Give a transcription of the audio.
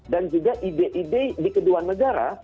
juga ide ide di kedua negara